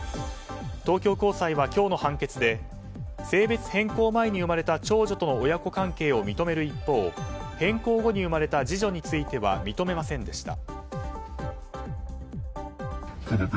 東京高裁は今日の判決で性別変更前に生まれた長女との変更後に生まれた次女については認めませんでした。